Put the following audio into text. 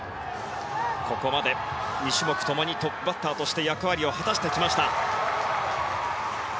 ここまで２種目ともにトップバッターとして役割を果たしてきました。